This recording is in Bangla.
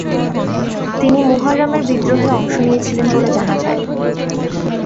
তিনি মুহররমের বিদ্রোহে অংশ নিয়েছিলেন বলে জানা যায়।